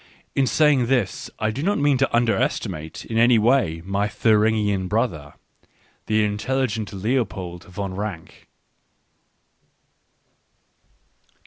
In saying this I do not mean to underestimate in any way my Thuringian brother, the intelligent Leopold von Ranke, ..